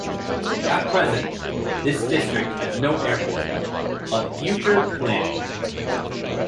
At present, this district has no airport.but future planning.